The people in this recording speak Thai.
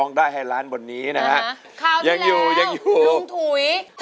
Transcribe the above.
กว่าจะจบรายการเนี่ย๔ทุ่มมาก